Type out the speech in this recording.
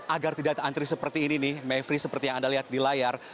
agar tidak terantri seperti ini nih mevri seperti yang anda lihat di layar